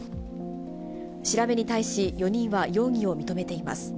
調べに対し４人は容疑を認めています。